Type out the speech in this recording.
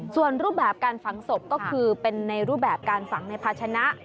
ส่วนรูปแบบการฝังศพก็คือเป็นในรูปแบบการฝังในภาชนะ